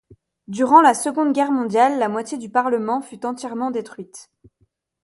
Durant la Seconde Guerre mondiale, la moitié du Parlement fut entièrement détruite.